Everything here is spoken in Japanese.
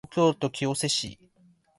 東京都清瀬市